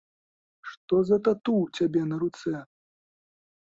Што за тату ў цябе на руцэ?